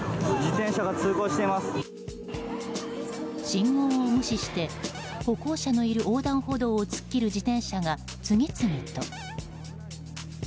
信号を無視して歩行者のいる横断歩道を突っ切る自転車が次々と。